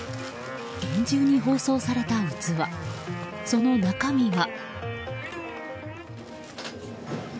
厳重に包装された器その中身が。